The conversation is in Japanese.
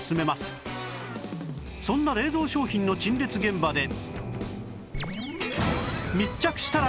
そんな冷蔵商品の陳列現場で